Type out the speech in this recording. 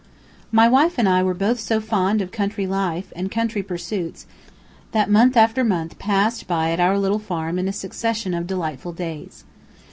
My wife and I were both so fond of country life and country pursuits that month after month passed by at our little farm in a succession of delightful days.